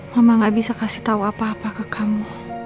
mama gak bisa kasih tahu apa apa ke kamu